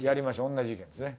同じ意見ですね。